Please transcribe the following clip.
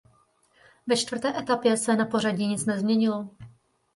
Ve čtvrté etapě se na pořadí nic nezměnilo.